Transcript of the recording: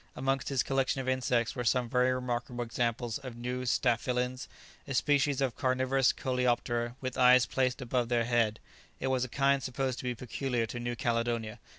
Amongst his collection of insects were some very remarkable examples of new staphylins, a species of carnivorous coleoptera with eyes placed above their head; it was a kind supposed to be peculiar to New Caledonia.